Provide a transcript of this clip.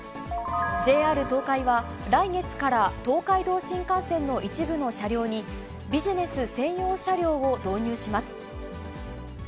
ＪＲ東海は来月から東海道新幹線の一部の車両に、ビジネス専用車両を導入します。